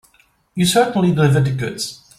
You certainly delivered the goods.